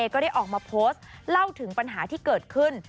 ก็ได้ออกมาโพสต์เล่าถึงปัญหาที่เกิดขึ้น